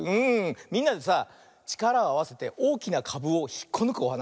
みんなでさちからをあわせておおきなかぶをひっこぬくおはなしだよね。